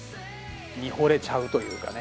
見ほれちゃうというかね